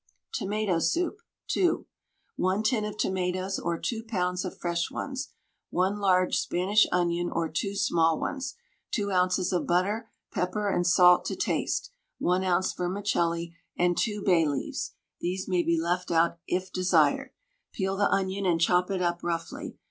TOMATO SOUP (2). 1 tin of tomatoes, or 2 lbs. of fresh ones, 1 large Spanish onion or 2 small ones, 2 oz. of butter, pepper and salt to taste, 1 oz. vermicelli, and 2 bay leaves (these may be left out it desired). Peel the onion and chop it up roughly.